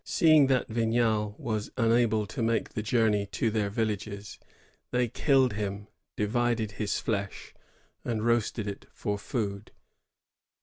Seeing that Vignal was unable to make the journey to their villages, they killed him, divided his flesh, and roasted it for food.